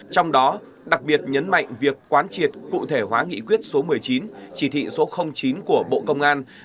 trong đó đặc biệt nhấn mạnh việc quán triệt cụ thể hóa nghị quyết số một mươi chín chỉ thị số chín của bộ công an